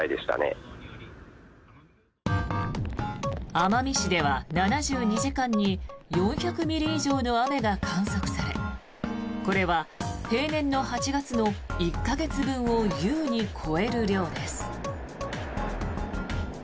奄美市では７２時間に４００ミリ以上の雨が観測されこれは平年の８月の１か月分を優に超える量です。